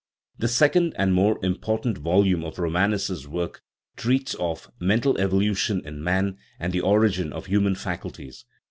The second and more important volume of Romanes's work treats of " Mental evolution in man and the origin of human faculties."